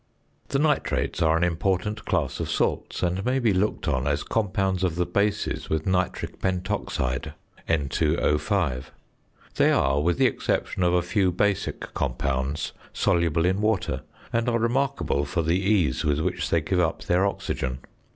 The nitrates are an important class of salts, and may be looked on as compounds of the bases with nitric pentoxide (N_O_). They are, with the exception of a few basic compounds, soluble in water, and are remarkable for the ease with which they give up their oxygen.